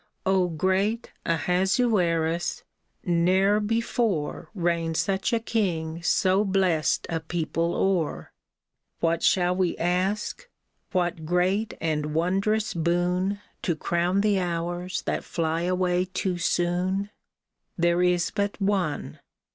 '' O great Ahasuerus ! ne'er before Reigned such a king so blest a people o'er ! What shall we ask ? What great and wondrous boon To crown the hours that fly away too soon ? There is but one.